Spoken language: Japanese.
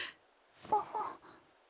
あっ。